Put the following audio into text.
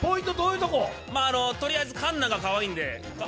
とりあえず環奈がかわいいんで。